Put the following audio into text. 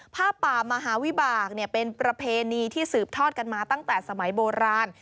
ผ้าป่ามหาวิบากเป็นประเพณีที่สืบทอดกันมาตั้งแต่สมัยโบราณ